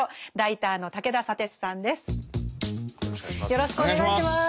よろしくお願いします。